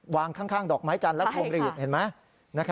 วางข้างดอกไม้จันทร์และพวงหลีดเห็นไหม